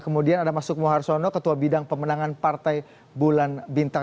kemudian ada mas sukmo harsono ketua bidang pemenangan partai bulan bintang